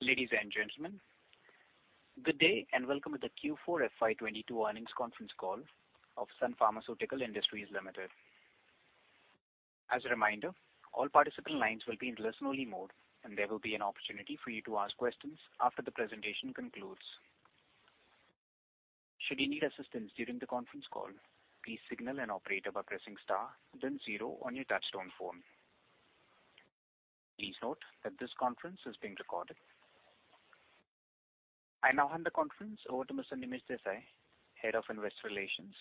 Ladies and gentlemen, good day, and welcome to the Q4 FY 22 earnings conference call of Sun Pharmaceutical Industries Limited. As a reminder, all participant lines will be in listen-only mode, and there will be an opportunity for you to ask questions after the presentation concludes. Should you need assistance during the conference call, please signal an operator by pressing star then zero on your touch-tone phone. Please note that this conference is being recorded. I now hand the conference over to Mr. Nimish Desai, Head of Investor Relations.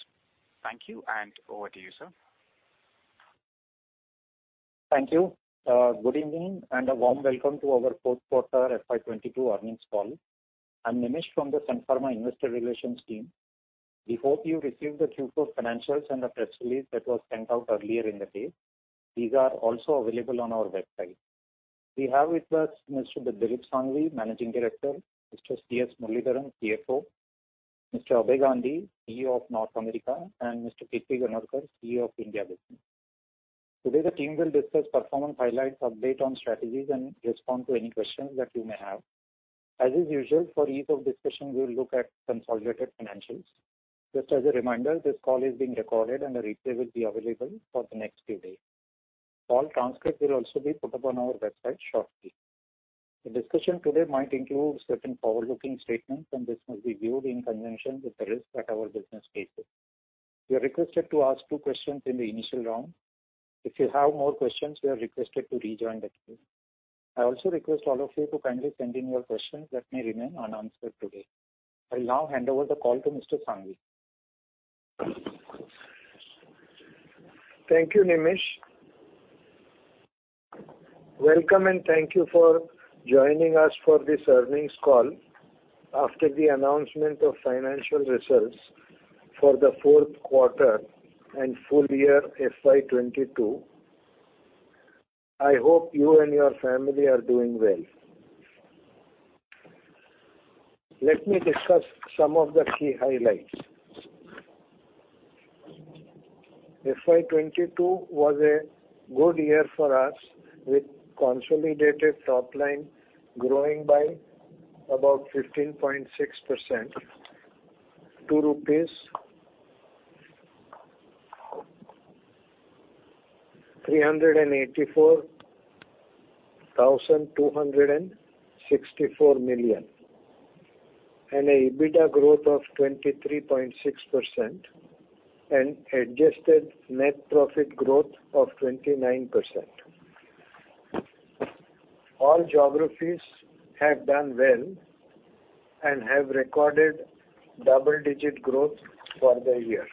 Thank you, and over to you, sir. Thank you. Good evening and a warm welcome to our fourth quarter FY 22 earnings call. I'm Nimish from the Sun Pharma Investor Relations team. We hope you received the Q4 financials and the press release that was sent out earlier in the day. These are also available on our website. We have with us Mr. Dilip Shanghvi, Managing Director, Mr. C.S. Muralidharan, CFO, Mr. Abhay Gandhi, CEO of North America, and Mr. Kirti Ganorkar, CEO of India Business. Today, the team will discuss performance highlights, update on strategies, and respond to any questions that you may have. As is usual for ease of discussion, we'll look at consolidated financials. Just as a reminder, this call is being recorded and a replay will be available for the next few days. Call transcript will also be put up on our website shortly. The discussion today might include certain forward-looking statements, and this must be viewed in conjunction with the risks that our business faces. You are requested to ask two questions in the initial round. If you have more questions, you are requested to rejoin the queue. I also request all of you to kindly send in your questions that may remain unanswered today. I'll now hand over the call to Mr. Shanghvi. Thank you, Nimish. Welcome and thank you for joining us for this earnings call after the announcement of financial results for the fourth quarter and full year FY 2022. I hope you and your family are doing well. Let me discuss some of the key highlights. FY 2022 was a good year for us, with consolidated top line growing by about 15.6% to 384,264 million, and an EBITDA growth of 23.6% and adjusted net profit growth of 29%. All geographies have done well and have recorded double-digit growth for the year.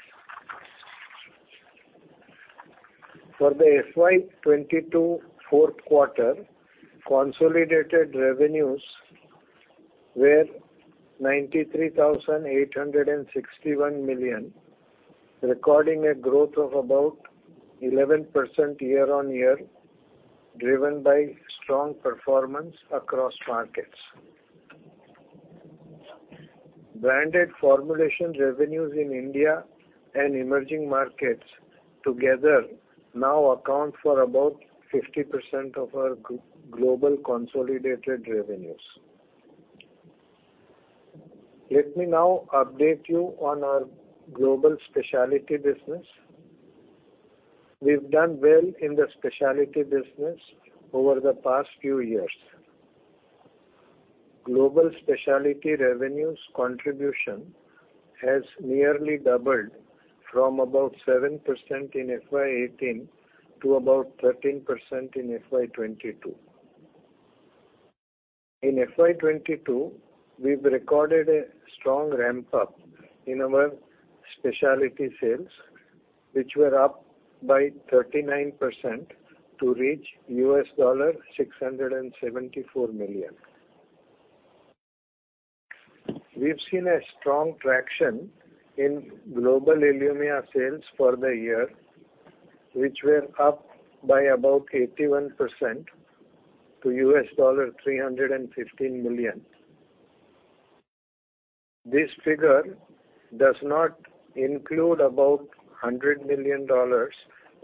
For the FY 2022 fourth quarter, consolidated revenues were 93,861 million, recording a growth of about 11% year-on-year, driven by strong performance across markets. Branded formulation revenues in India and emerging markets together now account for about 50% of our global consolidated revenues. Let me now update you on our global specialty business. We've done well in the specialty business over the past few years. Global specialty revenues contribution has nearly doubled from about 7% in FY 2018 to about 13% in FY 2022. In FY 2022, we've recorded a strong ramp-up in our specialty sales, which were up by 39% to reach $674 million. We've seen a strong traction in global ILUMYA sales for the year, which were up by about 81% to $315 million. This figure does not include about $100 million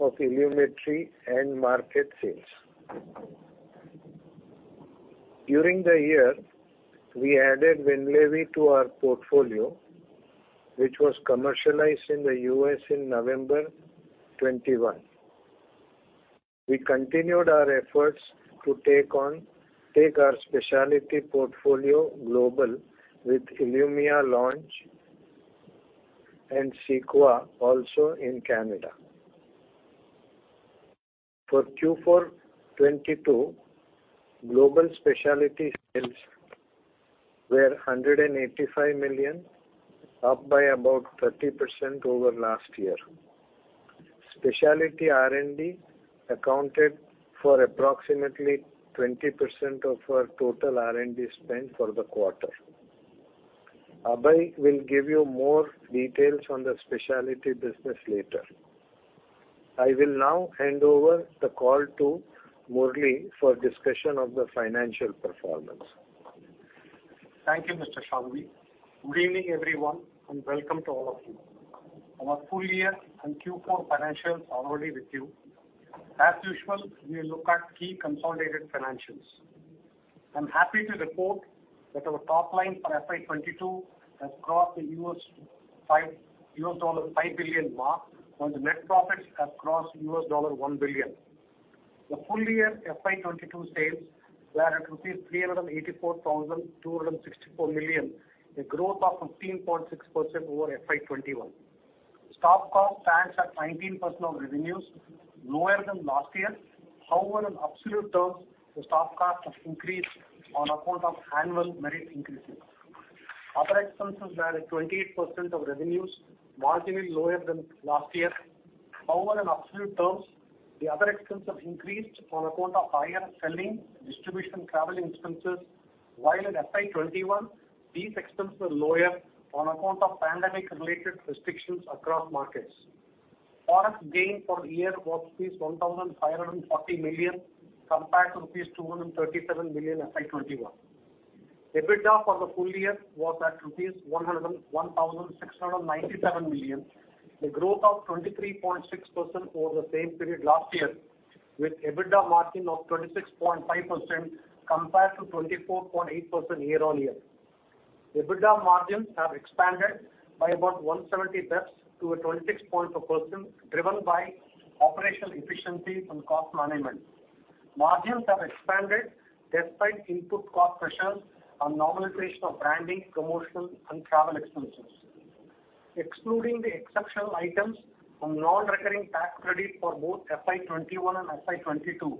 of ILUMETRI end market sales. During the year, we added WINLEVI to our portfolio, which was commercialized in the US in November 2021. We continued our efforts to take our specialty portfolio global with ILUMYA launch and CEQUA also in Canada. For Q4 2022, global specialty sales were $185 million, up by about 30% over last year. Specialty R&D accounted for approximately 20% of our total R&D spend for the quarter. Abhay will give you more details on the specialty business later. I will now hand over the call to Murali for discussion of the financial performance. Thank you, Mr. Shanghvi. Good evening, everyone, and welcome to all of you. Our full year and Q4 financials are already with you. As usual, we look at key consolidated financials. I'm happy to report that our top line for FY 2022 has crossed the $5 billion mark, while the net profits have crossed $1 billion. The full year FY 2022 sales were at 384,264 million, a growth of 15.6% over FY 2021. Staff cost stands at 19% of revenues, lower than last year. However, in absolute terms, the staff cost has increased on account of annual merit increases. Other expenses were at 28% of revenues, marginally lower than last year. However, in absolute terms, the other expenses increased on account of higher selling distribution travel expenses, while in FY 2021, these expenses were lower on account of pandemic-related restrictions across markets. Foreign gain for the year was INR 1,540 million compared to INR 237 million FY 2021. EBITDA for the full year was at INR 101,697 million, a growth of 23.6% over the same period last year, with EBITDA margin of 26.5% compared to 24.8% year-on-year. EBITDA margins have expanded by about 170 basis points to a 26.4% driven by operational efficiency and cost management. Margins have expanded despite input cost pressures on normalization of branding, promotional, and travel expenses. Excluding the exceptional items from non-recurring tax credit for both FY 2021 and FY 2022,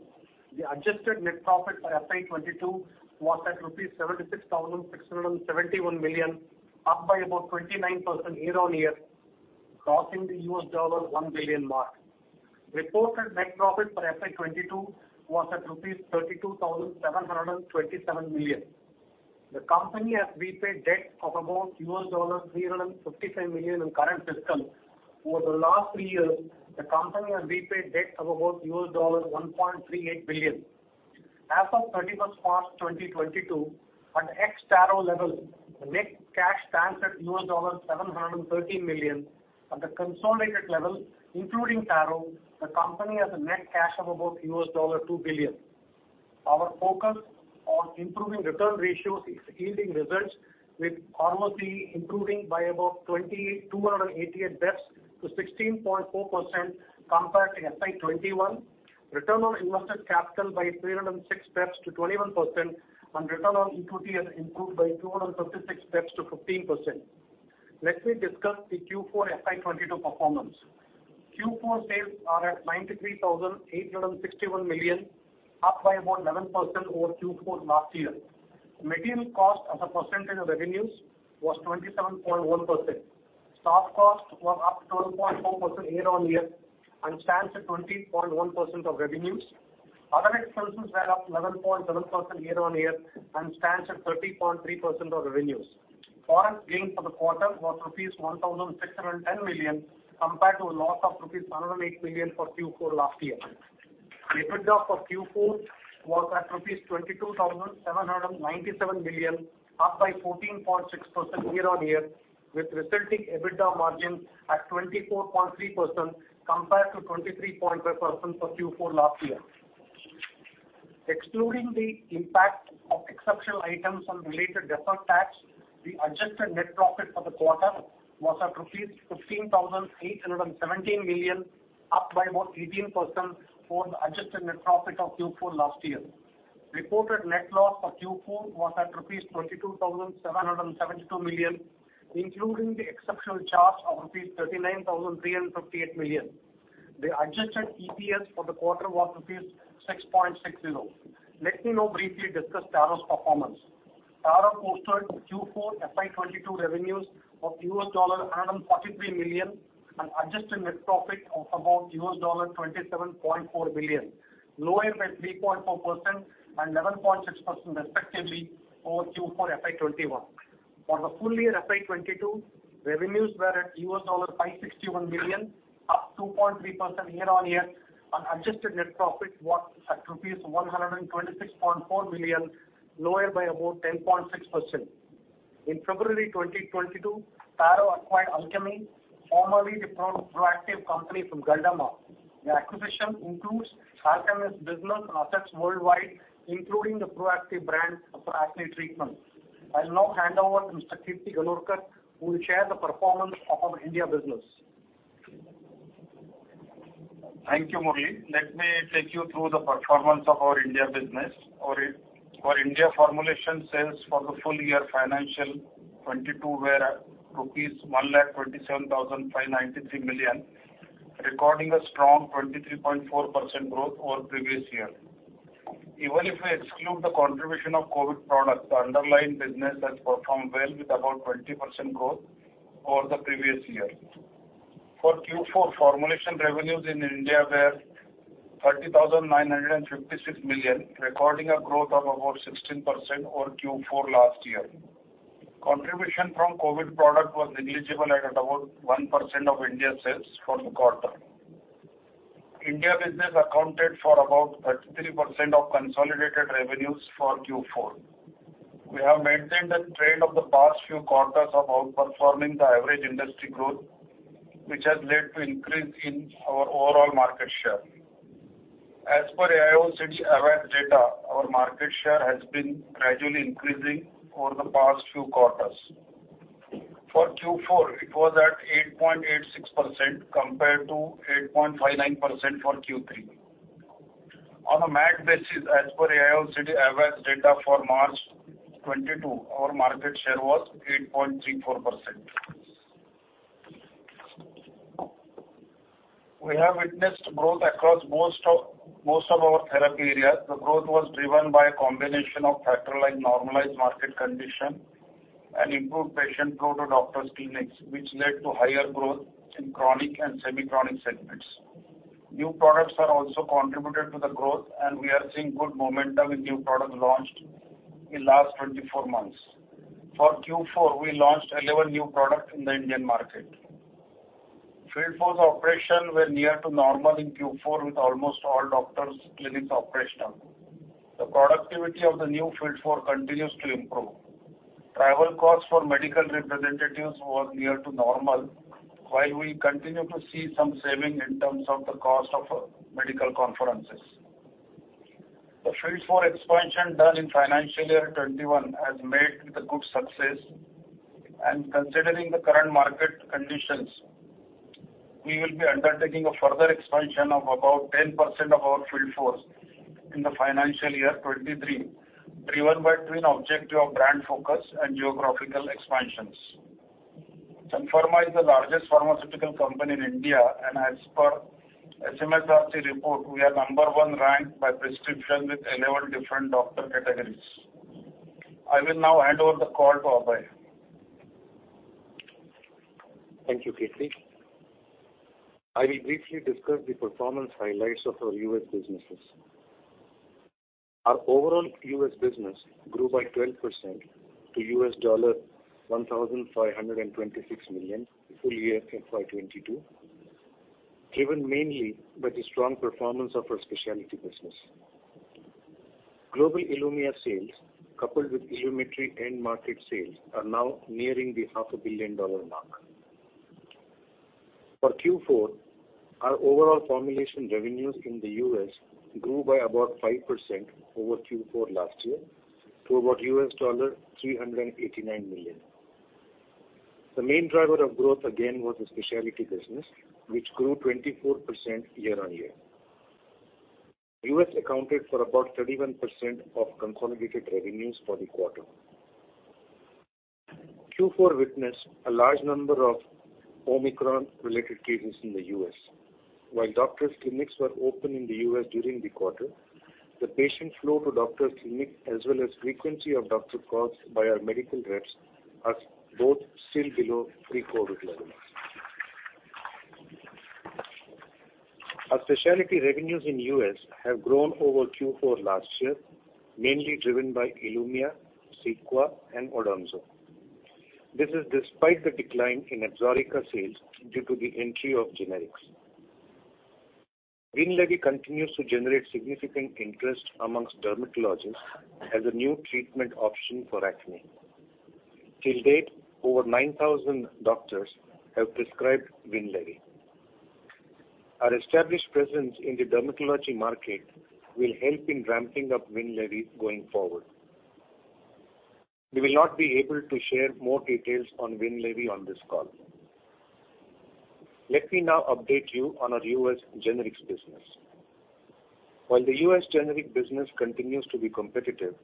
the adjusted net profit for FY 2022 was at rupees 76,671 million, up by about 29% year-on-year, crossing the $1 billion mark. Reported net profit for FY 2022 was at rupees 32,727 million. The company has repaid debt of about $355 million in current fiscal. Over the last three years, the company has repaid debt of about $1.38 billion. As of March 31, 2022, at ex-Taro level, the net cash stands at $713 million. At the consolidated level, including Taro, the company has a net cash of about $2 billion. Our focus on improving return ratios is yielding results, with ROCE improving by about 2,288 basis points to 16.4% compared to FY 2021, return on invested capital by 306 basis points to 21%, and return on equity has improved by 236 basis points to 15%. Let me discuss the Q4 FY 2022 performance. Q4 sales are at 93,861 million, up by about 11% over Q4 last year. Material cost as a percentage of revenues was 27.1%. Staff cost was up 12.4% year-on-year and stands at 20.1% of revenues. Other expenses were up 11.7% year-on-year and stands at 13.3% of revenues. Foreign gain for the quarter was INR 1,610 million, compared to a loss of INR 108 million for Q4 last year. EBITDA for Q4 was at INR 22,797 million, up by 14.6% year-over-year, with resulting EBITDA margin at 24.3% compared to 23.5% for Q4 last year. Excluding the impact of exceptional items and related deferred tax, the adjusted net profit for the quarter was at rupees 15,817 million, up by about 18% for the adjusted net profit of Q4 last year. Reported net loss for Q4 was at INR 22,772 million, including the exceptional charge of INR 39,358 million. The adjusted EPS for the quarter was INR 6.60. Let me now briefly discuss Taro's performance. Taro posted Q4 FY 22 revenues of $143 million, an adjusted net profit of about $27.4 million, lower by 3.4% and 11.6% respectively over Q4 FY21. For the full year FY22, revenues were at $561 million, up 2.3% year-on-year, and adjusted net profit was at rupees 126.4 million, lower by about 10.6%. In February 2022, Taro acquired Alchemee, formerly the Proactiv company from Galderma. The acquisition includes Alchemee's business and assets worldwide, including the Proactiv brand for acne treatment. I'll now hand over to Mr. Kirti Ganorkar, who will share the performance of our India business. Thank you, Murali. Let me take you through the performance of our India business. Our India formulation sales for the full year financial 2022 were at rupees 1,27,593 million, recording a strong 23.4% growth over previous year. Even if we exclude the contribution of COVID product, the underlying business has performed well with about 20% growth over the previous year. For Q4, formulation revenues in India were 30,956 million, recording a growth of about 16% over Q4 last year. Contribution from COVID product was negligible at about 1% of India sales for the quarter. India business accounted for about 33% of consolidated revenues for Q4. We have maintained the trend of the past few quarters of outperforming the average industry growth, which has led to increase in our overall market share. As per AIOCD AWACS data, our market share has been gradually increasing over the past few quarters. For Q4, it was at 8.86% compared to 8.59% for Q3. On a MAT basis, as per AIOCD AWACS data for March 2022, our market share was 8.34%. We have witnessed growth across most of our therapy areas. The growth was driven by a combination of factors like normalized market condition and improved patient flow to doctors' clinics, which led to higher growth in chronic and semi-chronic segments. New products are also contributed to the growth, and we are seeing good momentum in new products launched in last 24 months. For Q4, we launched 11 new products in the Indian market. Field force operation were near to normal in Q4 with almost all doctors' clinics operational. The productivity of the new field force continues to improve. Travel costs for medical representatives were near to normal, while we continue to see some saving in terms of the cost of medical conferences. The field force expansion done in financial year 2021 has made the good success. Considering the current market conditions, we will be undertaking a further expansion of about 10% of our field force in the financial year 2023, driven by twin objective of brand focus and geographical expansions. Sun Pharma is the largest pharmaceutical company in India, and as per SMSRC report, we are number one ranked by prescription with 11 different doctor categories. I will now hand over the call to Abhay. Thank you, Kirti. I will briefly discuss the performance highlights of our U.S. businesses. Our overall U.S. business grew by 12% to $1,526 million full year FY 2022, driven mainly by the strong performance of our specialty business. Global ILUMYA sales, coupled with ILUMETRI end market sales, are now nearing the half a billion dollar mark. For Q4, our overall formulation revenues in the U.S. grew by about 5% over Q4 last year to about $389 million. The main driver of growth again was the specialty business, which grew 24% year-on-year. U.S. accounted for about 31% of consolidated revenues for the quarter. Q4 witnessed a large number of Omicron-related cases in the U.S. While doctors' clinics were open in the U.S. during the quarter, the patient flow to doctors' clinic as well as frequency of doctor calls by our medical reps are both still below pre-COVID levels. Our specialty revenues in U.S. have grown over Q4 last year, mainly driven by ILUMYA, CEQUA and ODOMZO. This is despite the decline in ABSORICA sales due to the entry of generics. WINLEVI continues to generate significant interest among dermatologists as a new treatment option for acne. Till date, over 9,000 doctors have prescribed WINLEVI. Our established presence in the dermatology market will help in ramping up WINLEVI going forward. We will not be able to share more details on WINLEVI on this call. Let me now update you on our U.S. generics business. While the U.S. generic business continues to be competitive,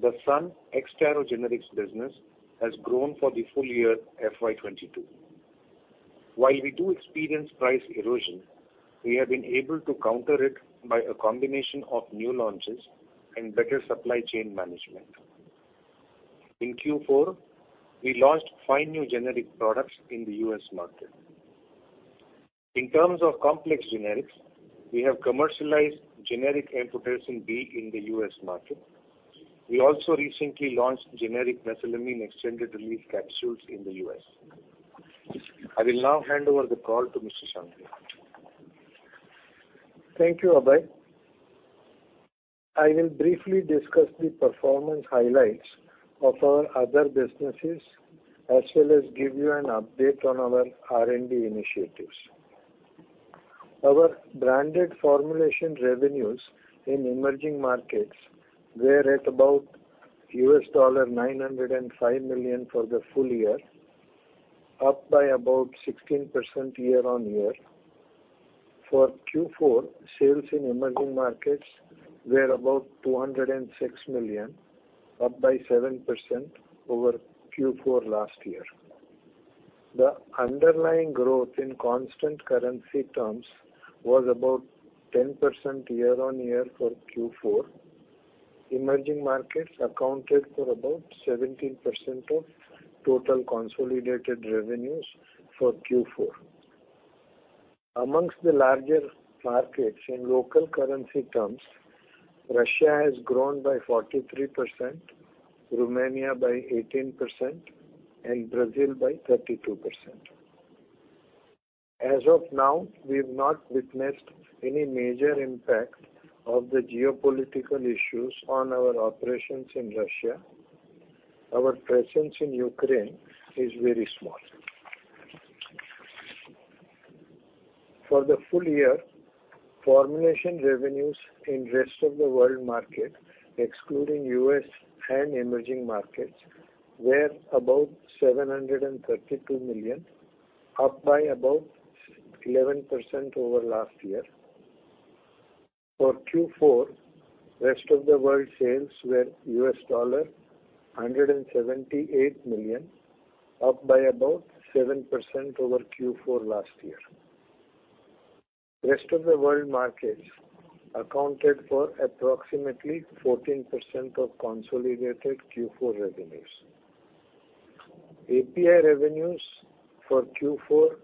the Sun ex-Taro generics business has grown for the full year FY 2022. While we do experience price erosion, we have been able to counter it by a combination of new launches and better supply chain management. In Q4, we launched five new generic products in the U.S. market. In terms of complex generics, we have commercialized generic Amphotericin B in the U.S. market. We also recently launched generic mesalamine extended release capsules in the U.S. I will now hand over the call to Mr. Shanghvi. Thank you, Abhay. I will briefly discuss the performance highlights of our other businesses, as well as give you an update on our R&D initiatives. Our branded formulation revenues in emerging markets were at about $905 million for the full year, up by about 16% year-on-year. For Q4, sales in emerging markets were about $206 million, up by 7% over Q4 last year. The underlying growth in constant currency terms was about 10% year-on-year for Q4. Emerging markets accounted for about 17% of total consolidated revenues for Q4. Among the larger markets in local currency terms. Russia has grown by 43%, Romania by 18%, and Brazil by 32%. As of now, we've not witnessed any major impact of the geopolitical issues on our operations in Russia. Our presence in Ukraine is very small. For the full year, formulation revenues in rest of the world market, excluding US and emerging markets, were about $732 million, up by about 11% over last year. For Q4, rest of the world sales were $178 million, up by about 7% over Q4 last year. Rest of the world markets accounted for approximately 14% of consolidated Q4 revenues. API revenues for Q4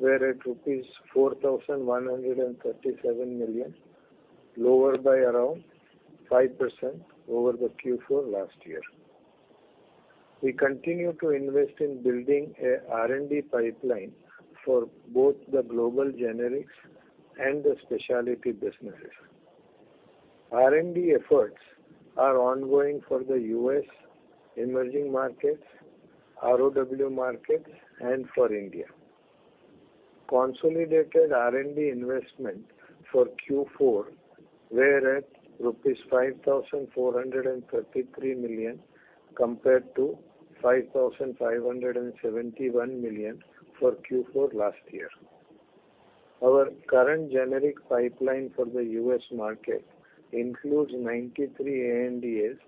were at rupees 4,137 million, lower by around 5% over the Q4 last year. We continue to invest in building a R&D pipeline for both the global generics and the specialty businesses. R&D efforts are ongoing for the U.S. emerging markets, ROW markets, and for India. Consolidated R&D investment for Q4 were at rupees 5,433 million compared to 5,571 million for Q4 last year. Our current generic pipeline for the U.S. market includes 93 ANDAs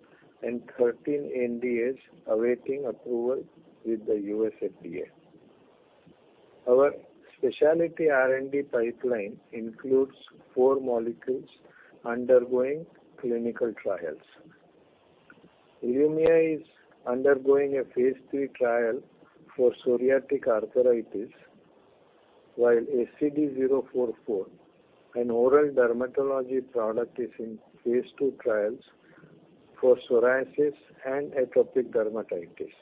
and 13 NDAs awaiting approval with the US FDA. Our specialty R&D pipeline includes four molecules undergoing clinical trials. ILUMYA is undergoing a phase III trial for psoriatic arthritis, while SCD-044, an oral dermatology product, is in phase II trials for psoriasis and atopic dermatitis.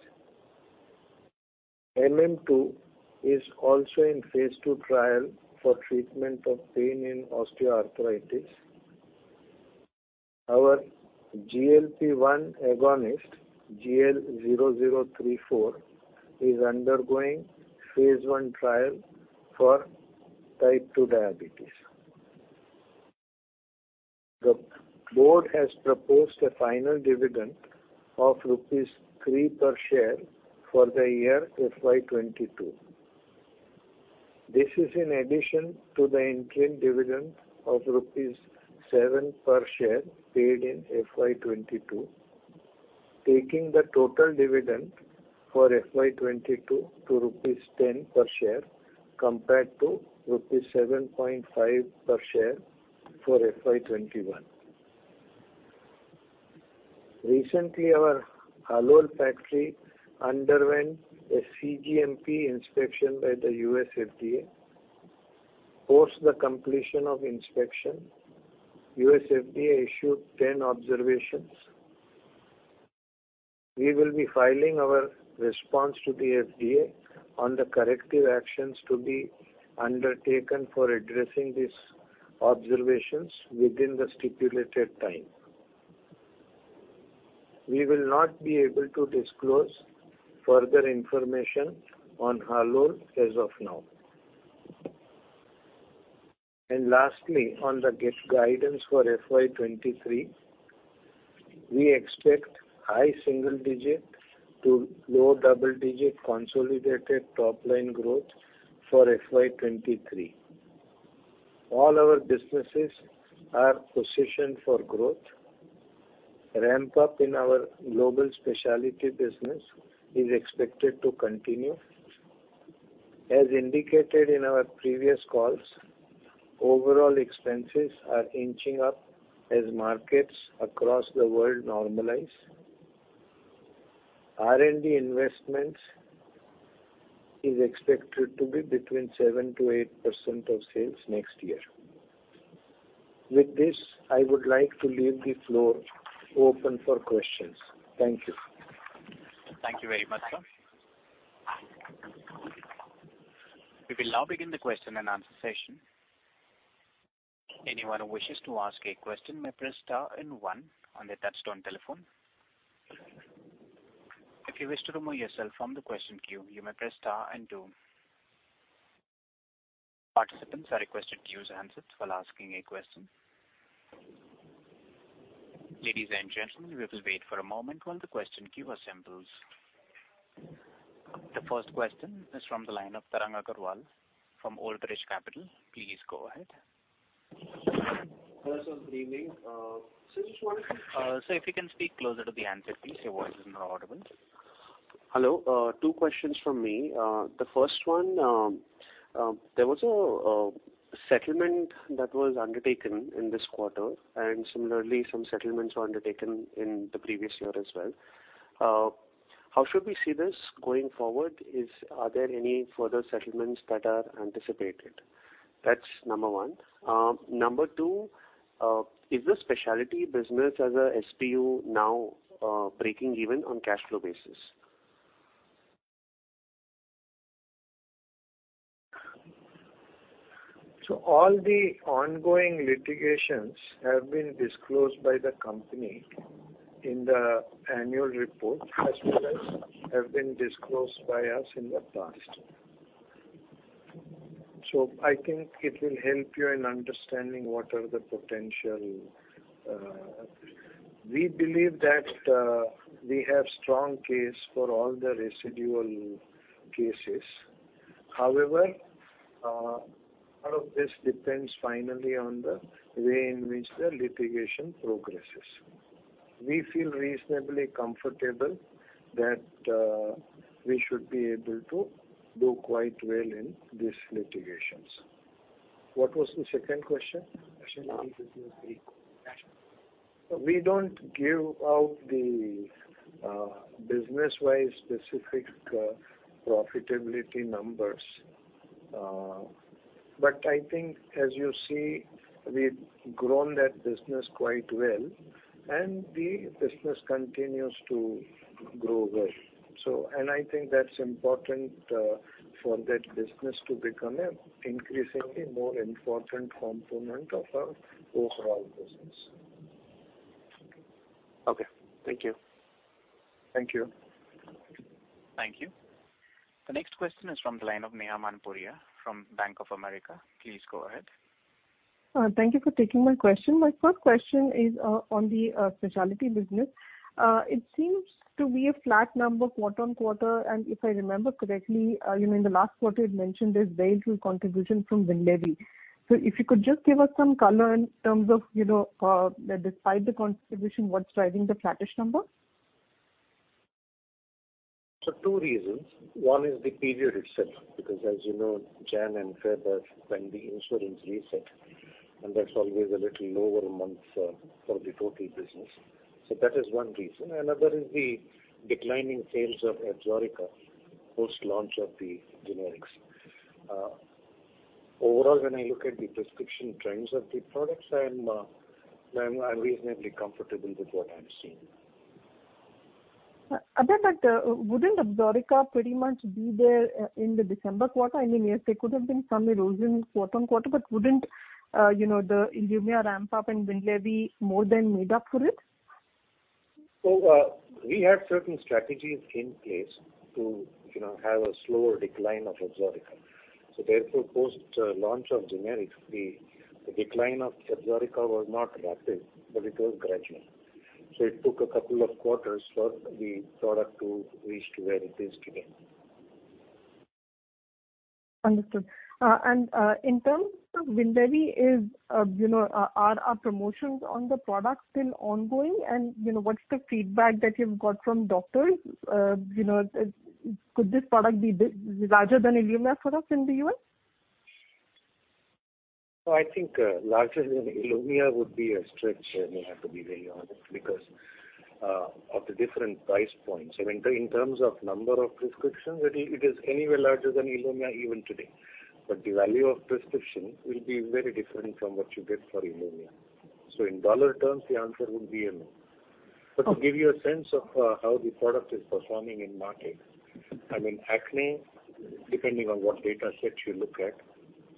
MM-II is also in phase II trial for treatment of pain in osteoarthritis. Our GLP-1 agonist, GL0034, is undergoing phase I trial for type two diabetes. The board has proposed a final dividend of INR three per share for the year FY 2022. This is in addition to the interim dividend of INR seven per share paid in FY 2022. Taking the total dividend for FY 2022 to rupees 10 per share compared to rupees 7.5 per share for FY 2021. Recently, our Halol factory underwent a cGMP inspection by the US FDA. Post the completion of inspection, US FDA issued 10 observations. We will be filing our response to the FDA on the corrective actions to be undertaken for addressing these observations within the stipulated time. We will not be able to disclose further information on Halol as of now. Lastly, on the guidance for FY 2023, we expect high single-digit to low double-digit consolidated top-line growth for FY 2023. All our businesses are positioned for growth. Ramp up in our global specialty business is expected to continue. As indicated in our previous calls, overall expenses are inching up as markets across the world normalize. R&D investments is expected to be between 7%-8% of sales next year. With this, I would like to leave the floor open for questions. Thank you. Thank you very much, sir. We will now begin the question-and-answer session. Anyone who wishes to ask a question may press star and one on their touchtone telephone. If you wish to remove yourself from the question queue, you may press star and two. Participants are requested to use handsets while asking a question. Ladies and gentlemen, we will wait for a moment while the question queue assembles. The first question is from the line of Tarang Agrawal from Old Bridge Capital Management. Please go ahead. Hello, sir. Good evening. Just wanted to. Sir, if you can speak closer to the handset, please. Your voice is not audible. Hello. Two questions from me. The first one, there was a settlement that was undertaken in this quarter, and similarly some settlements were undertaken in the previous year as well. How should we see this going forward? Are there any further settlements that are anticipated? That's number one. Number two, is the specialty business as a SBU now, breaking even on cash flow basis? All the ongoing litigations have been disclosed by the company in the annual report, as well as have been disclosed by us in the past. I think it will help you in understanding what are the potential. We believe that, we have strong case for all the residual cases. However, all of this depends finally on the way in which the litigation progresses. We feel reasonably comfortable that, we should be able to do quite well in these litigations. What was the second question? Specialty business We don't give out the business-wide specific profitability numbers. I think as you see, we've grown that business quite well, and the business continues to grow well. I think that's important for that business to become an increasingly more important component of our overall business. Okay. Thank you. Thank you. Thank you. The next question is from the line of Neha Manpuria from Bank of America. Please go ahead. Thank you for taking my question. My first question is on the specialty business. It seems to be a flat number quarter-over-quarter, and if I remember correctly, you know, in the last quarter you'd mentioned there's very little contribution from WINLEVI. If you could just give us some color in terms of, you know, despite the contribution, what's driving the flattish number? Two reasons. One is the period itself, because as you know, January and February are when the insurance resets, and that's always a little lower month for the total business. That is one reason. Another is the declining sales of ABSORICA post-launch of the generics. Overall, when I look at the prescription trends of the products, I'm reasonably comfortable with what I'm seeing. Abhay, wouldn't ABSORICA pretty much be there in the December quarter? I mean, yes, there could have been some erosion quarter-on-quarter, but wouldn't you know, the ILUMYA ramp up and WINLEVI more than made up for it? We had certain strategies in place to, you know, have a slower decline of ABSORICA. Therefore, post-launch of generics, the decline of ABSORICA was not rapid, but it was gradual. It took a couple of quarters for the product to reach where it is today. Understood. In terms of WINLEVI, you know, are promotions on the product still ongoing? You know, what's the feedback that you've got from doctors? You know, could this product be bigger than ILUMYA for us in the US? I think larger than ILUMYA would be a stretch, Neha, to be very honest, because of the different price points. I mean, in terms of number of prescriptions, it is anywhere larger than ILUMYA even today. The value of prescription will be very different from what you get for ILUMYA. In dollar terms, the answer would be a no. Okay. To give you a sense of how the product is performing in market, I mean, acne, depending on what data set you look at,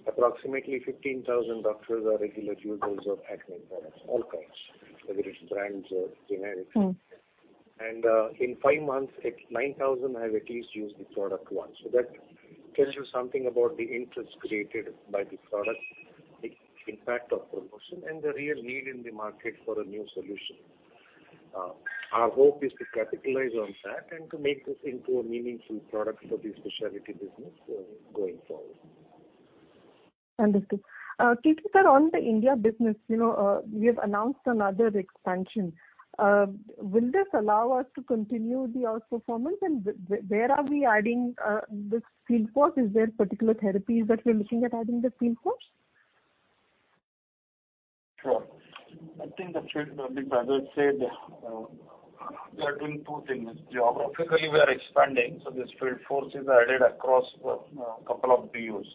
approximately 15,000 doctors are regular users of acne products, all kinds, whether it's brands or generics. Mm. In 5 months, 9,000 have at least used the product once. That tells you something about the interest created by the product, the impact of promotion, and the real need in the market for a new solution. Our hope is to capitalize on that and to make this into a meaningful product for the specialty business, going forward. Understood. Kirti Ganorkar sir, on the India business, you know, we have announced another expansion. Will this allow us to continue the outperformance? Where are we adding this field force? Is there particular therapies that we're looking at adding the field force? Sure. I think that Vijay said we are doing two things. Geographically, we are expanding, so this field force is added across a couple of BUs,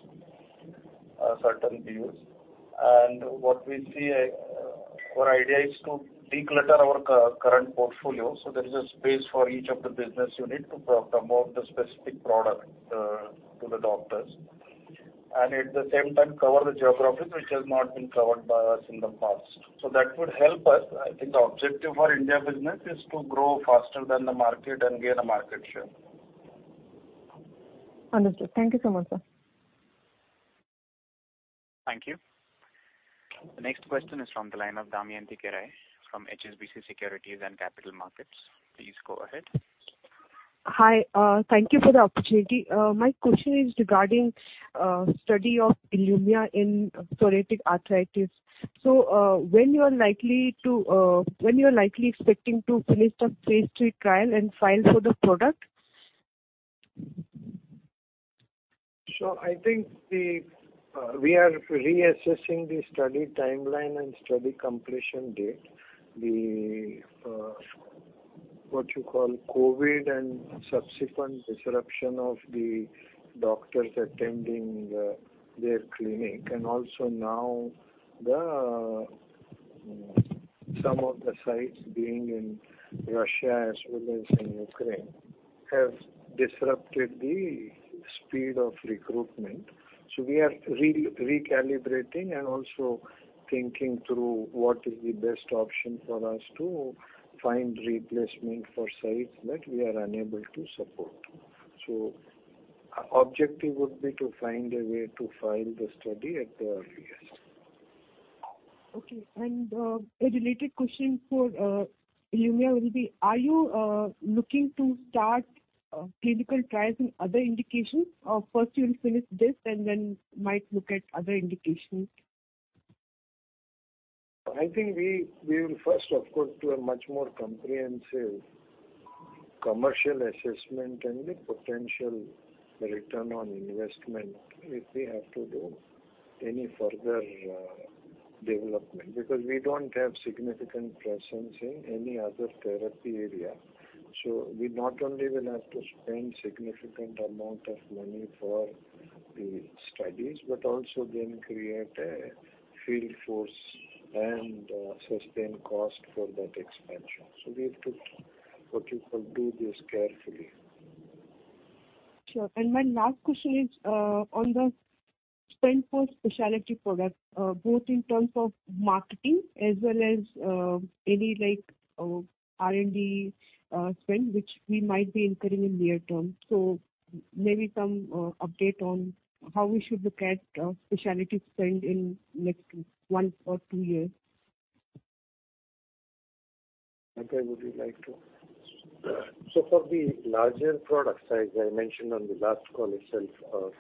certain BUs. What we see, our idea is to declutter our current portfolio, so there is a space for each of the business unit to promote the specific product to the doctors. At the same time cover the geographies which has not been covered by us in the past. That would help us. I think the objective for India business is to grow faster than the market and gain a market share. Understood. Thank you so much, sir. Thank you. The next question is from the line of Damayanti Kerai from HSBC Securities and Capital Markets. Please go ahead. Hi. Thank you for the opportunity. My question is regarding study of ILUMYA in psoriatic arthritis. When you are likely expecting to finish the phase III trial and file for the product? I think we are reassessing the study timeline and study completion date. The COVID and subsequent disruption of the doctors attending their clinic, and also now some of the sites being in Russia as well as in Ukraine, have disrupted the speed of recruitment. We are recalibrating and also thinking through what is the best option for us to find replacement for sites that we are unable to support. Our objective would be to find a way to file the study at the earliest. Okay. A related question for ILUMYA will be: Are you looking to start clinical trials in other indications, or first you'll finish this and then might look at other indications? I think we will first of course do a much more comprehensive commercial assessment and the potential return on investment if we have to do any further development. Because we don't have significant presence in any other therapy area. We not only will have to spend significant amount of money for the studies, but also then create a field force and sustain cost for that expansion. We have to, what you call, do this carefully. Sure. My last question is on the spend for specialty products, both in terms of marketing as well as any like R&D spend, which we might be incurring in near term. Maybe some update on how we should look at specialty spend in next one or two years. Abhay, would you like to? For the larger product size, I mentioned on the last call itself,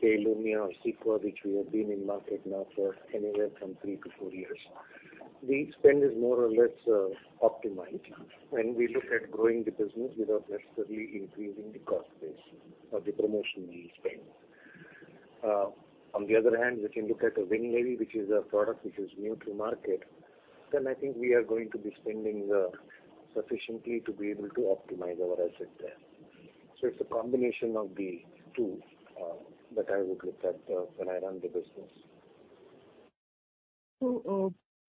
say, ILUMYA or CEQUA, which we have been in market now for anywhere from three to four years. The spend is more or less optimized. When we look at growing the business without necessarily increasing the cost base or the promotional spend. On the other hand, we can look at WINLEVI, which is a product which is new to market, then I think we are going to be spending sufficiently to be able to optimize our asset there. It's a combination of the two that I would look at when I run the business.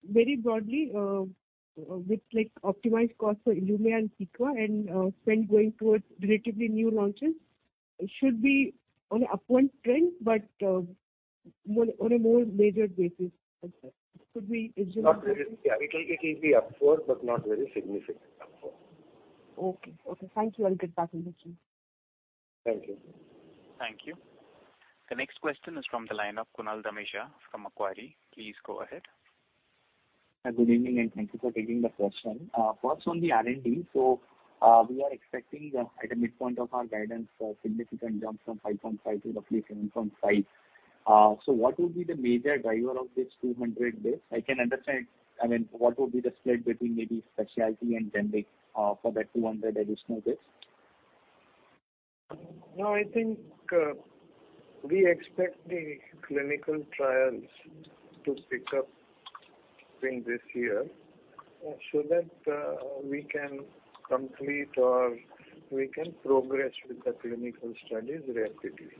Very broadly, with like optimized cost for ILUMYA and CEQUA and spend going towards relatively new launches, it should be on a upward trend, but more on a more measured basis. Could we- Yeah, it will be upward, but not very significant upward. Okay. Okay, thank you. I'll get back if necessary. Thank you. Thank you. The next question is from the line of Kunal Dhamesha from Macquarie. Please go ahead. Good evening, and thank you for taking the question. First on the R&D. We are expecting, at the midpoint of our guidance a significant jump from 5.5% to roughly 7.5%. What would be the major driver of this 200 basis points? I mean, what would be the split between maybe specialty and generic, for that 200 additional basis points? No, I think we expect the clinical trials to pick up in this year so that we can complete or we can progress with the clinical studies rapidly.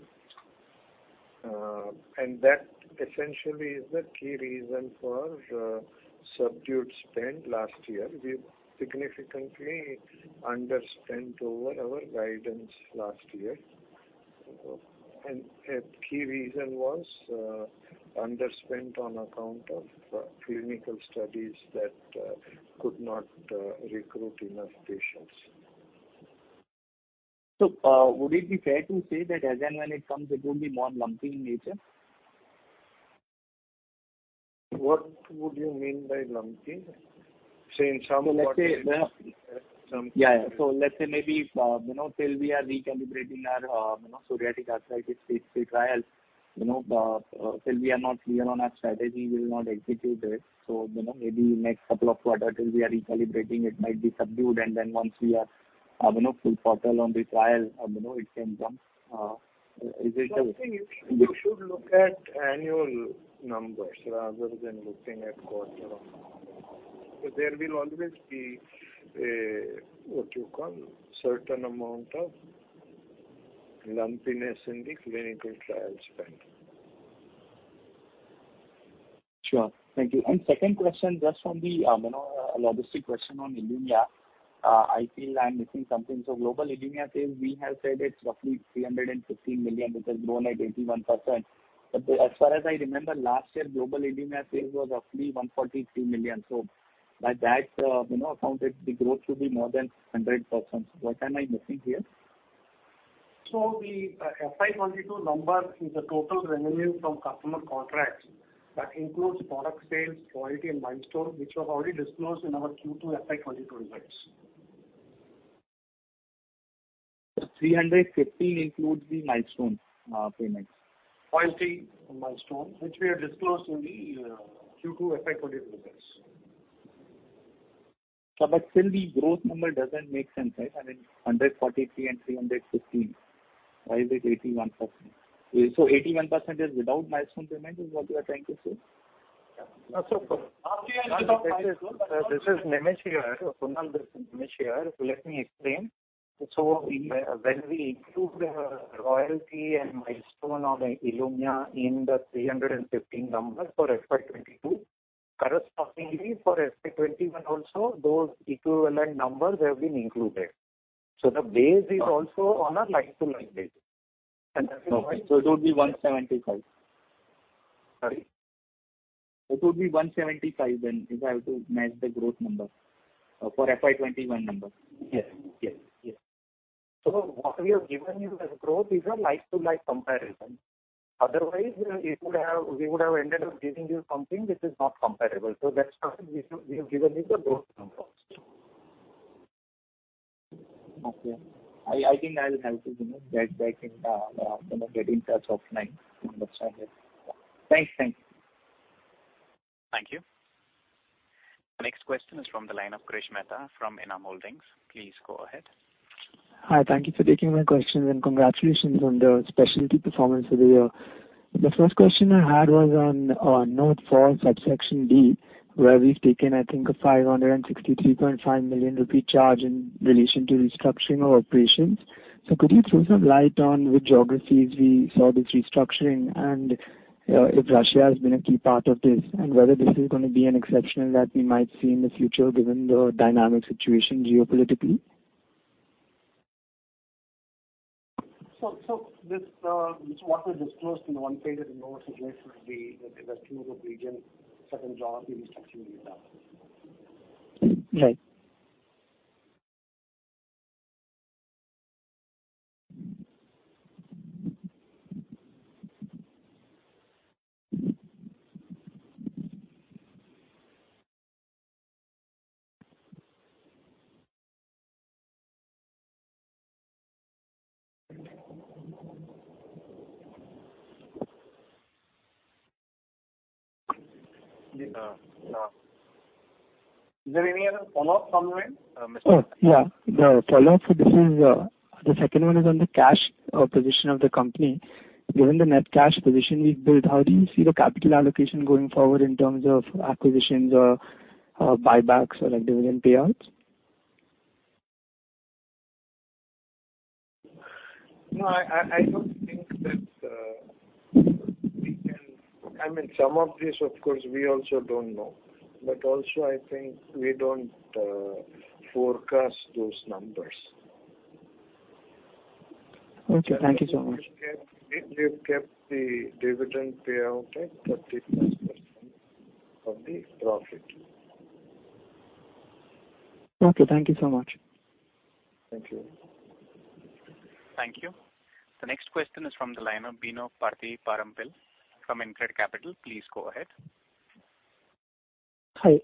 That essentially is the key reason for subdued spend last year. We significantly under-spent over our guidance last year. A key reason was under-spent on account of clinical studies that could not recruit enough patients. Would it be fair to say that as and when it comes, it will be more lumpy in nature? What would you mean by lumpy? Say in some So let's say the- Some- Yeah, yeah. Let's say maybe, you know, till we are recalibrating our, you know, psoriatic arthritis phase III trials, you know, till we are not clear on our strategy, we will not execute it. You know, maybe next couple of quarters till we are recalibrating it might be subdued, and then once we are, you know, full throttle on the trial, you know, it can come. You should look at annual numbers rather than looking at quarter-on-quarter. There will always be a, what you call, certain amount of lumpiness in the clinical trial spend. Sure. Thank you. Second question, just on the, you know, logistics question on ILUMYA. I feel I'm missing something. Global ILUMYA sales, we have said it's roughly $315 million, which has grown at 81%. As far as I remember, last year, global ILUMYA sales was roughly $142 million. By that account, you know, the growth should be more than 100%. What am I missing here? The FY22 number is the total revenue from customer contracts. That includes product sales, royalty and milestone, which was already disclosed in our Q2 FY22 results. 350 includes the milestone payments? Royalty and milestone, which we have disclosed in the Q2 FY 22 results. Still the growth number doesn't make sense, right? I mean, 140 and 315. Why is it 81%? 81% is without milestone payment, is what you are trying to say? This is Nimish here. Kunal, this is Nimish here. Let me explain. We, when we include the royalty and milestone on the ILUMYA in the 315 number for FY 2022, correspondingly for FY 2021 also, those equivalent numbers have been included. The base is also on a like-to-like basis. Okay. It would be 175. Sorry? It would be 175 then if I have to match the growth number for FY 2021 number. Yes. What we have given you as growth is a like-for-like comparison. Otherwise, you know, we would have ended up giving you something which is not comparable. That's why we've given you the growth number. Okay. I think I'll have to, you know, get in touch offline to understand it. Thanks. Thanks. Thank you. The next question is from the line of Krish Mehta from Enam Holdings. Please go ahead. Hi. Thank you for taking my questions, and congratulations on the specialty performance for the year. The first question I had was on note four, subsection D, where we've taken, I think, an 563.5 million rupee charge in relation to restructuring our operations. Could you throw some light on which geographies we saw this restructuring and if Russia has been a key part of this and whether this is gonna be an exception that we might see in the future given the dynamic situation geopolitically? What we disclosed in the one page of the notes is basically the Western Europe region. Certain geography restructuring is done. Right. Is there any other follow-up from your end, Mr. Mehta? Oh, yeah. The follow-up to this is, the second one is on the cash position of the company. Given the net cash position we've built, how do you see the capital allocation going forward in terms of acquisitions or buybacks or like dividend payouts? No, I don't think that we can. I mean, some of this of course we also don't know, but also I think we don't forecast those numbers. Okay, thank you so much. We've kept the dividend payout at 30% of the profit. Okay, thank you so much. Thank you. Thank you. The next question is from the line of Bino Pathiparampil from InCred Capital. Please go ahead. Hi.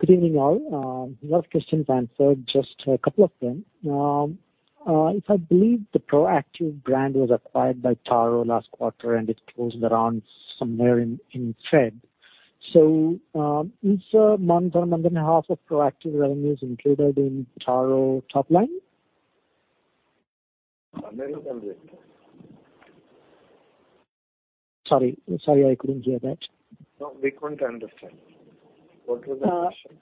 Good evening, all. A lot of questions answered, just a couple of them. If I believe the Proactiv brand was acquired by Taro last quarter and it closed around somewhere in Feb. Is month or month and a half of Proactiv revenues included in Taro top line? I beg your pardon? Sorry. Sorry, I couldn't hear that. No, we couldn't understand. What was the question?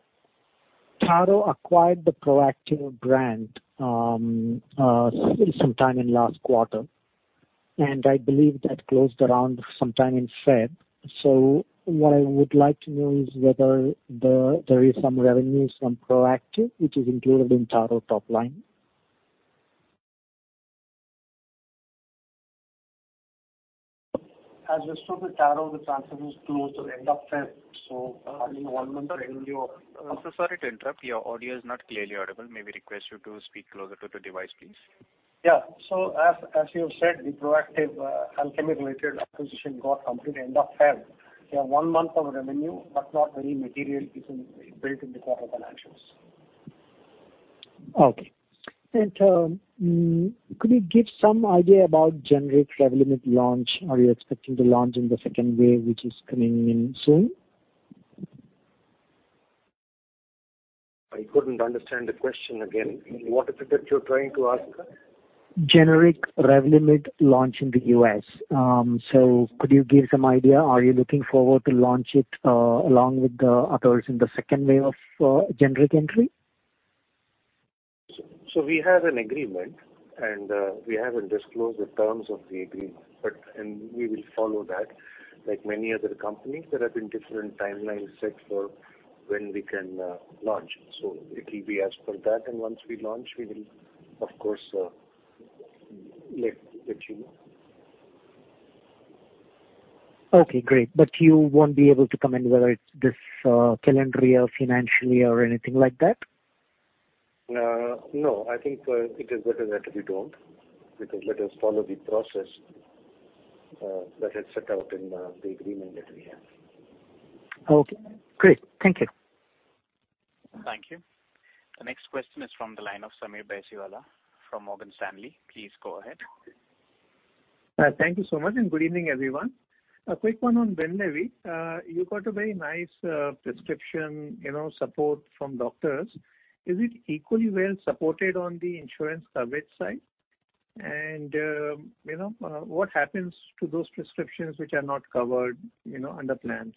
Taro acquired the Proactiv brand sometime in last quarter, and I believe that closed around sometime in Feb. What I would like to know is whether there is some revenues from Proactiv which is included in Taro top line. As we spoke with Taro, the transaction was closed at end of February, so, I mean, one month revenue. Sir, sorry to interrupt. Your audio is not clearly audible. May we request you to speak closer to the device, please? As you said, the Proactiv, Alchemee related acquisition got complete end of February. We have one month of revenue, but not very material, it can be built in the quarter financials. Okay. Could you give some idea about generic REVLIMID launch? Are you expecting to launch in the second wave, which is coming in soon? I couldn't understand the question. Again, what is it that you're trying to ask? Generic REVLIMID launch in the U.S. Could you give some idea? Are you looking forward to launch it along with the others in the second wave of generic entry? We have an agreement, and we haven't disclosed the terms of the agreement, but and we will follow that like many other companies. There have been different timelines set for when we can launch. It will be as per that. Once we launch, we will of course let you know. Okay, great. You won't be able to comment whether it's this calendar year, financially or anything like that? No. I think it is better that we don't. We can let us follow the process that is set out in the agreement that we have. Okay, great. Thank you. Thank you. The next question is from the line of Sameer Baisiwala from Morgan Stanley. Please go ahead. Thank you so much, and good evening, everyone. A quick one on Abhay Gandhi. You got a very nice prescription, you know, support from doctors. Is it equally well supported on the insurance coverage side? You know, what happens to those prescriptions which are not covered, you know, under plans?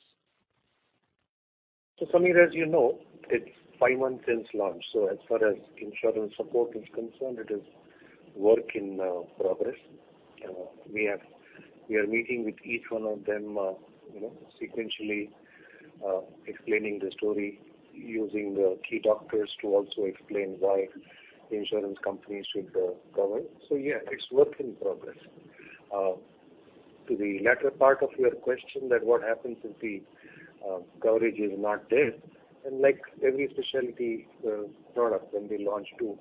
Sameer, as you know, it's five months since launch, as far as insurance support is concerned, it is work in progress. We are meeting with each one of them, you know, sequentially, explaining the story using the key doctors to also explain why insurance companies should cover. Yeah, it's work in progress. To the latter part of your question that what happens if the coverage is not there, and like every specialty product when we launch too,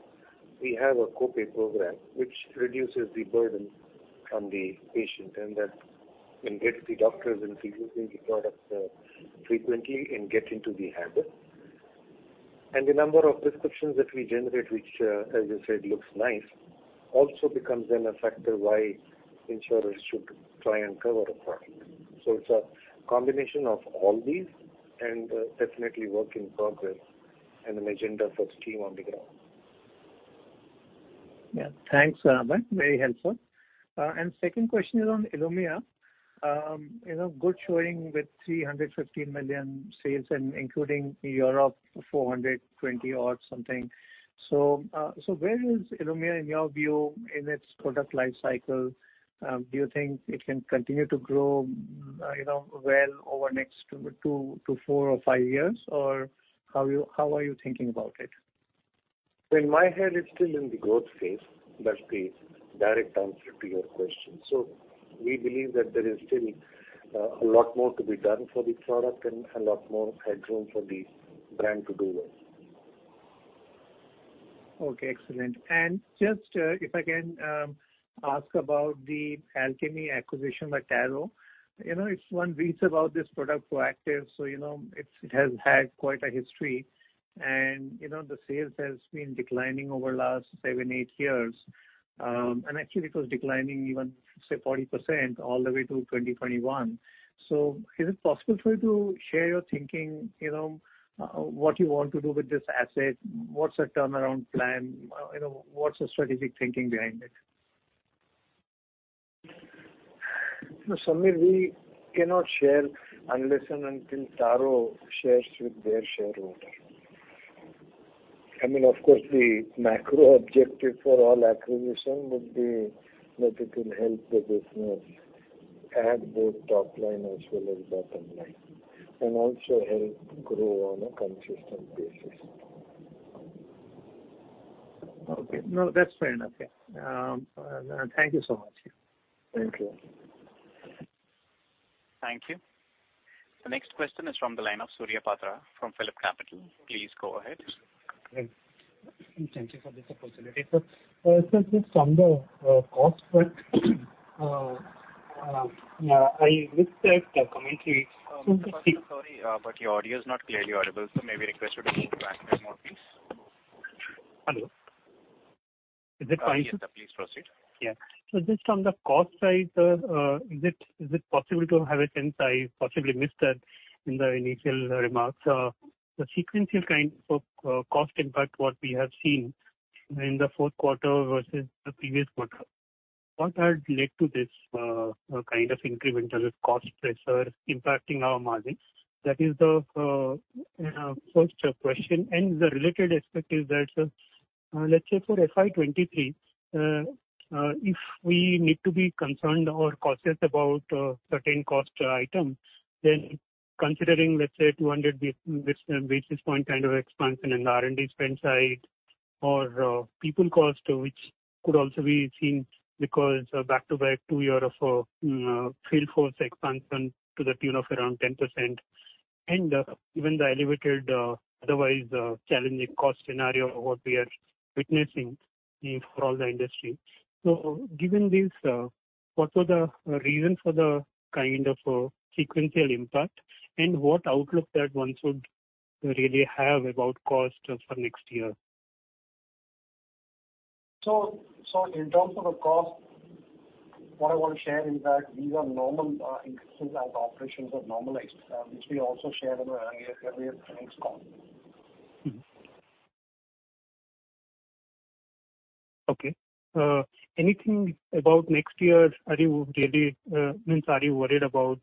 we have a co-pay program which reduces the burden from the patient, and that can get the doctors in using the product frequently and get into the habit. The number of prescriptions that we generate which, as you said, looks nice, also becomes then a factor why insurers should try and cover a product. It's a combination of all these and definitely work in progress and an agenda for the team on the ground. Yeah. Thanks, Abhay. Very helpful. Second question is on ILUMYA. You know, good showing with $315 million sales and including Europe, $420-odd million. Where is ILUMYA in your view in its product life cycle? Do you think it can continue to grow, you know, well over the next two to four or fived years, or how are you thinking about it? In my head it's still in the growth phase. That's the direct answer to your question. We believe that there is still a lot more to be done for the product and a lot more headroom for the brand to do well. Okay, excellent. Just, if I can, ask about the Alchemee acquisition by Taro. You know, if one reads about this product Proactiv, so you know, it has had quite a history and, you know, the sales has been declining over last seven, eight years. Actually it was declining even, say, 40% all the way to 2021. Is it possible for you to share your thinking, you know, what you want to do with this asset? What's the turnaround plan? You know, what's the strategic thinking behind it? Sameer, we cannot share unless and until Taro shares with their shareholder. I mean, of course, the macro objective for all acquisition would be that it will help the business add both top line as well as bottom line, and also help grow on a consistent basis. Okay. No, that's fair enough. Yeah. Thank you so much. Thank you. Thank you. The next question is from the line of Surya Patra from PhillipCapital. Please go ahead. Thank you for this opportunity, sir. Sir, just from the cost front, I missed that commentary. Mr. Patra, sorry, but your audio is not clearly audible, so may we request you to connect back more please. Hello. Is it fine, sir? Yes, sir, please proceed. Yeah. Just on the cost side, sir, is it possible to have a sense? I possibly missed that in the initial remarks. The sequential kind of cost impact, what we have seen in the fourth quarter versus the previous quarter, what has led to this kind of incremental cost pressure impacting our margins? That is the first question. The related aspect is that, sir, let's say for FY 2023, if we need to be concerned or cautious about certain cost item, then considering let's say 200 basis point kind of expansion in R&D spend side or people cost, which could also be seen because back-to-back two year of field force expansion to the tune of around 10% and even the elevated, otherwise, challenging cost scenario what we are witnessing in for all the industry. Given this, what are the reasons for the kind of sequential impact and what outlook that one should really have about cost for next year? In terms of the cost, what I want to share is that these are normal increases as operations are normalized, which we also shared in our earlier earnings call. Okay. Anything about next year? Are you really, I mean, are you worried about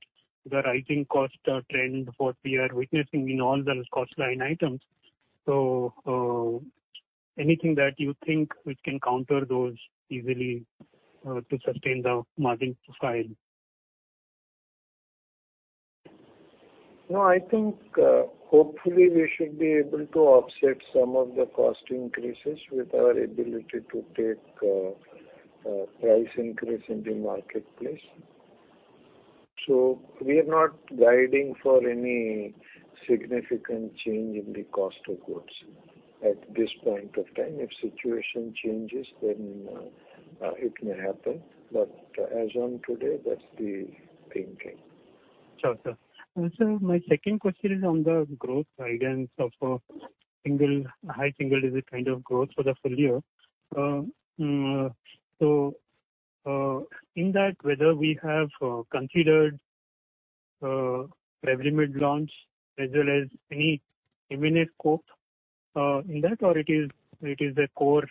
the rising cost trend what we are witnessing in all the cost line items? Anything that you think which can counter those easily to sustain the margin profile? No, I think, hopefully we should be able to offset some of the cost increases with our ability to take price increase in the marketplace. We are not guiding for any significant change in the cost of goods at this point of time. If situation changes, then, it may happen, but as on today, that's the thinking. Sure, sir. Sir, my second question is on the growth guidance of single high single-digit kind of growth for the full year. In that, whether we have considered REVLIMID launch as well as any M&A scope in that or it is the core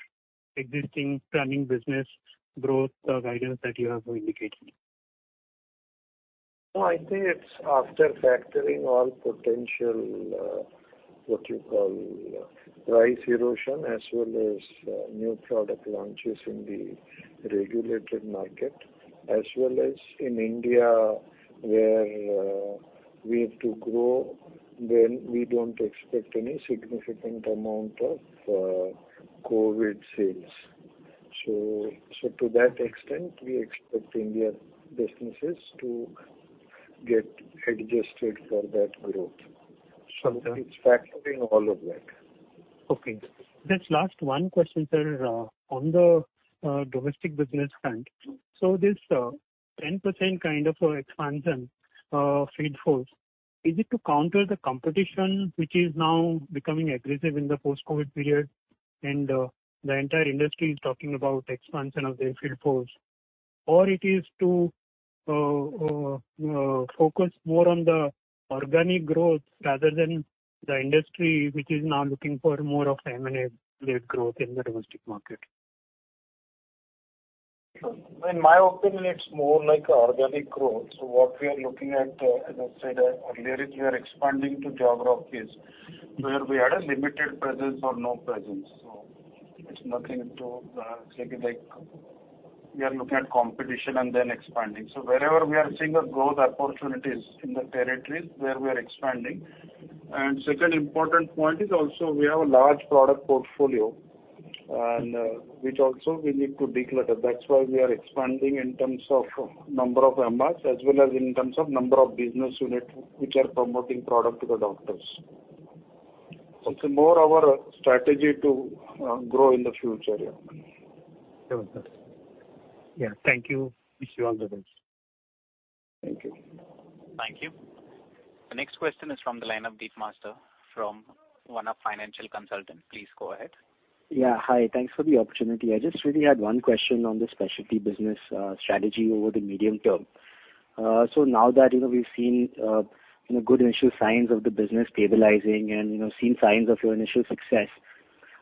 existing planning business growth guidance that you have indicated? No, I think it's after factoring all potential, what you call, price erosion as well as, new product launches in the regulated market. As well as in India, where, we have to grow, then we don't expect any significant amount of, COVID sales. To that extent, we expect India businesses to get adjusted for that growth. Sure, sir. It's factoring all of that. Okay. Just last one question, sir. On the domestic business front. This 10% kind of expansion field force, is it to counter the competition which is now becoming aggressive in the post-COVID period, and the entire industry is talking about expansion of their field force? It is to focus more on the organic growth rather than the industry, which is now looking for more of M&A-led growth in the domestic market? In my opinion, it's more like organic growth. What we are looking at, as I said earlier, is we are expanding to geographies where we had a limited presence or no presence. It's nothing to, say like we are looking at competition and then expanding. Wherever we are seeing a growth opportunities in the territories where we are expanding. Second important point is also we have a large product portfolio and, which also we need to declutter. That's why we are expanding in terms of number of MRs as well as in terms of number of business units which are promoting product to the doctors. It's more our strategy to grow in the future, yeah. Sure, sir. Yeah. Thank you. Wish you all the best. Thank you. Thank you. The next question is from the line of Deep Master from One-Up Financial Consultants. Please go ahead. Yeah. Hi. Thanks for the opportunity. I just really had one question on the specialty business, strategy over the medium term. Now that, you know, we've seen, you know, good initial signs of the business stabilizing and, you know, seen signs of your initial success,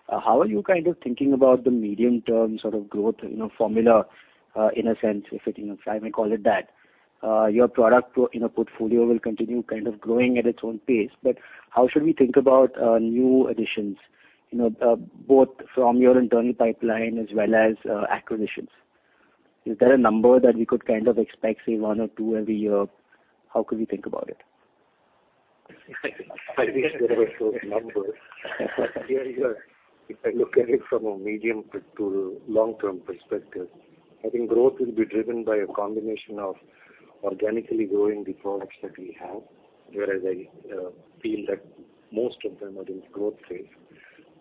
how are you kind of thinking about the medium term sort of growth, you know, formula, in a sense, if it, you know, if I may call it that? Your product, you know, portfolio will continue kind of growing at its own pace, but how should we think about, new additions, you know, both from your internal pipeline as well as, acquisitions? Is there a number that we could kind of expect, say, one or two every year? How could we think about it? I wish there were those numbers. Here you are. If I look at it from a medium to long-term perspective, I think growth will be driven by a combination of organically growing the products that we have, whereas I feel that most of them are in growth phase,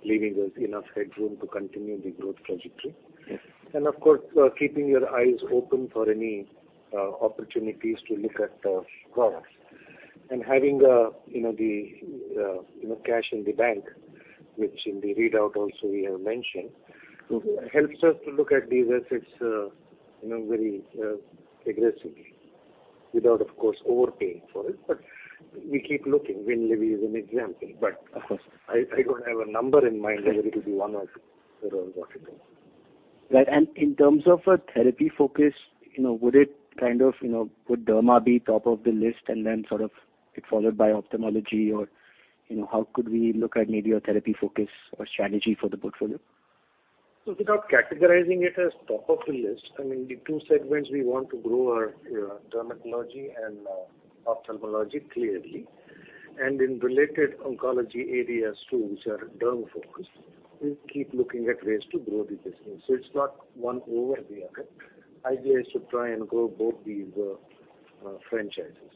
leaving us enough headroom to continue the growth trajectory. Yes. Of course, keeping your eyes open for any opportunities to look at products. Having, you know, the you know, cash in the bank, which in the readout also we have mentioned. Mm-hmm... helps us to look at these assets, you know, very aggressively without of course overpaying for it. We keep looking. WINLEVI is an example. Of course. I don't have a number in mind whether it'll be one or two or what it is. Right. In terms of a therapy focus, you know, would derma be top of the list and then sort of it followed by ophthalmology or, you know, how could we look at maybe your therapy focus or strategy for the portfolio? Without categorizing it as top of the list, I mean, the two segments we want to grow are, dermatology and, ophthalmology clearly, and in related oncology areas too, which are derm-focused. We'll keep looking at ways to grow the business. It's not one over the other. Idea is to try and grow both these, franchises.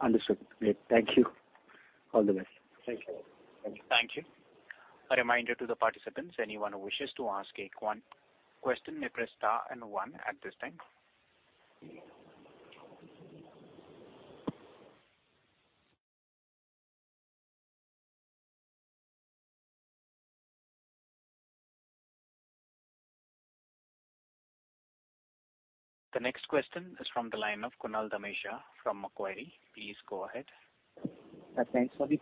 Understood. Great. Thank you. All the best. Thanks a lot. Thank you. Thank you. A reminder to the participants, anyone who wishes to ask a question may press star and one at this time. The next question is from the line of Kunal Dhamesha from Macquarie. Please go ahead. Thanks for the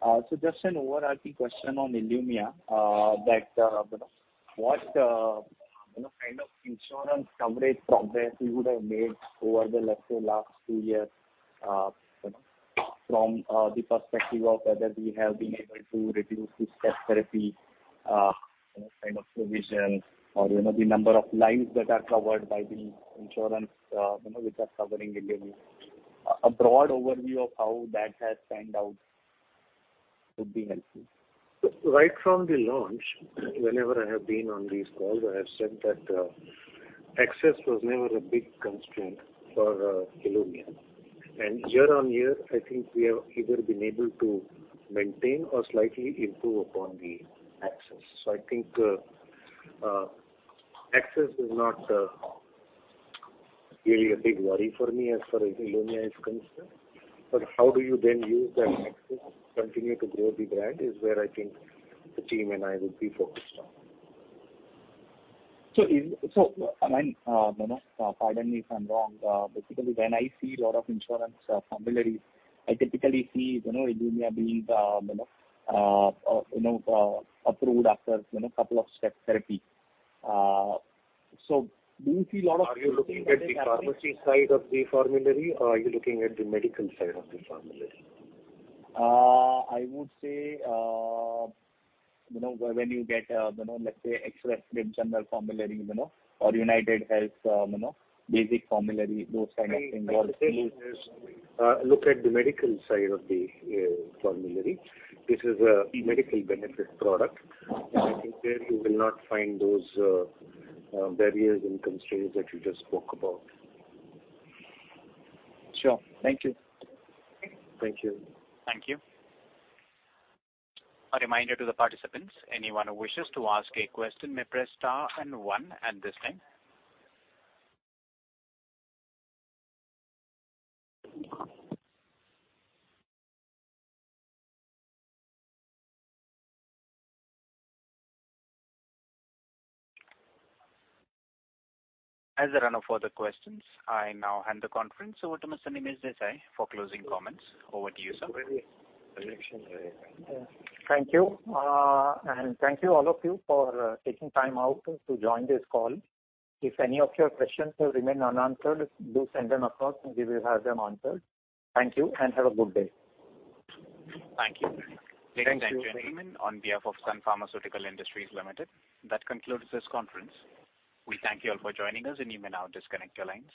follow-up. Just an overarching question on ILUMYA, you know, what kind of insurance coverage progress you would have made over the, let's say, last two years, you know, from the perspective of whether we have been able to reduce the step therapy, you know, kind of provision or, you know, the number of lives that are covered by the insurance, you know, which are covering ILUMYA. A broad overview of how that has panned out would be helpful. Right from the launch, whenever I have been on these calls, I have said that access was never a big constraint for ILUMYA. Year on year, I think we have either been able to maintain or slightly improve upon the access. I think access is not really a big worry for me as far as ILUMYA is concerned, but how do you then use that access to continue to grow the brand is where I think the team and I will be focused on. Abhay, pardon me if I'm wrong. Basically, when I see a lot of insurance formularies, I typically see, you know, ILUMYA being approved after, you know, couple of step therapy. Do you see a lot of- Are you looking at the pharmacy side of the formulary or are you looking at the medical side of the formulary? I would say, you know, when you get, you know, let's say Express Scripts general formulary, you know, or UnitedHealthcare basic formulary, those kind of things. My suggestion is, look at the medical side of the formulary. This is a medical benefit product. I think there you will not find those barriers and constraints that you just spoke about. Sure. Thank you. Thank you. Thank you. A reminder to the participants, anyone who wishes to ask a question may press star and one at this time. As there are no further questions, I now hand the conference over to Mr. Nimish Desai for closing comments. Over to you, sir. Thank you. Thank you all of you for taking time out to join this call. If any of your questions have remained unanswered, do send them across and we will have them answered. Thank you, and have a good day. Thank you. Thank you. Ladies and gentlemen, on behalf of Sun Pharmaceutical Industries Limited, that concludes this conference. We thank you all for joining us, and you may now disconnect your lines.